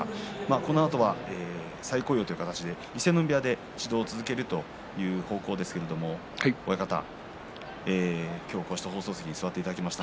このあとは再雇用という形で伊勢ノ海部屋で指導を続けるということですが親方に放送席に座っていただきました。